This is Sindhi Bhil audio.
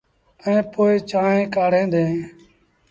ائيٚݩ پو چآنه ڪآڙيٚن ديٚݩ۔